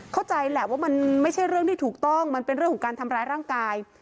เข้าใจแหละว่ามันไม่ใช่เรื่องที่ถูกต้องมันเป็นเรื่องของการทำร้ายร่างกาย